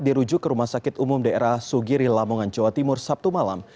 dirujuk ke rumah sakit umum daerah sugiri lamongan jawa timur sabtu malam